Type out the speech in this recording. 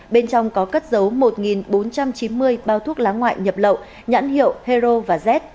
bên trong có cất giấu một bốn trăm chín mươi bao thuốc lá ngoại nhập lậu nhãn hiệu hero và z